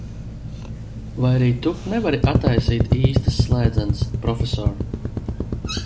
Vai arī tu nevari attaisīt īstas slēdzenes, Profesor?